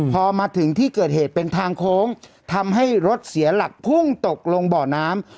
พอมาถึงที่เกิดเหตุเป็นทางโค้งทำให้รถเสียหลักพุ่งตกลงบ่อน้ำ